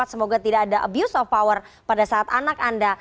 semoga tidak ada abuse of power pada saat anak anda